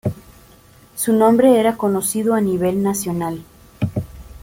Su nombre era conocido a nivel nacional.